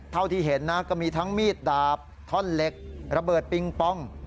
เท่าที่เห็นนะก็มีทั้งมีดดาบท่อนเหล็กระเบิดปิงปอง